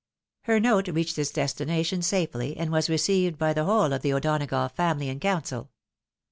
Her note reached its destination safely, and was received by the whole of the O'Donagough family in council.